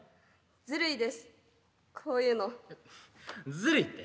ずるいって？